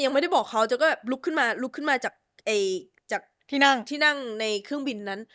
ยังไม่ได้บอกเขาจนก็ลุกขึ้นมาลุกขึ้นมาจากที่นั่งในเครื่องบินนั้น